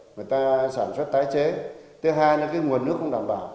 người ta sản xuất tái chế thứ hai là cái nguồn nước không đảm bảo